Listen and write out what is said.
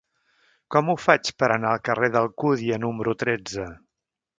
Com ho faig per anar al carrer d'Alcúdia número tretze?